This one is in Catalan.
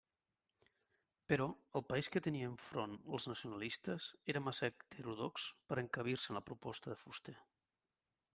Però el país que tenien enfront els nacionalistes era massa heterodox per a encabir-se en la proposta de Fuster.